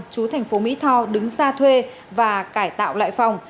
chú thành phố mỹ tho đứng ra thuê và cải tạo lại phòng